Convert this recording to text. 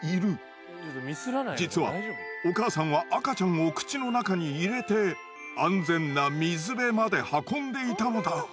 実はお母さんは赤ちゃんを口の中に入れて安全な水辺まで運んでいたのだ。